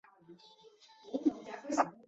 改为以完成任务与展开游戏剧情来负责。